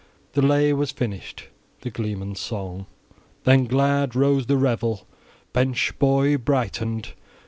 The lay was finished, the gleeman's song. Then glad rose the revel; bench joy brightened.